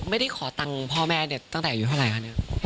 ไม่ได้ขอตังค์พ่อแม่ตั้งแต่อยู่เท่าไรคะ